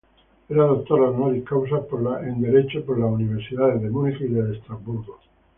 Era doctor honoris causa en derecho por las universidades de Múnich y de Estrasburgo.